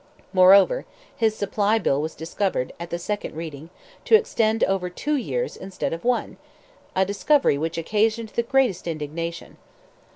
Moreover, his supply bill was discovered, at the second reading, to extend over two years instead of one—a discovery which occasioned the greatest indignation.